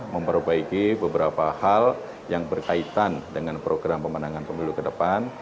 memperbaiki beberapa hal yang berkaitan dengan program pemenangan pemilu ke depan